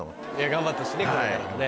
頑張ってほしいこれからもね。